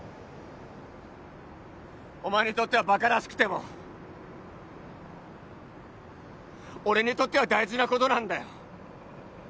お前にとってはバカらしくても俺にとっては大事なことなんだよ